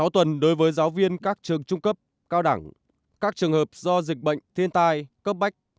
sáu tuần đối với giáo viên các trường trung cấp cao đẳng các trường hợp do dịch bệnh thiên tai cấp bách